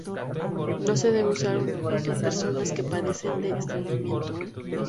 No se debe usar en personas que padecen de estreñimiento.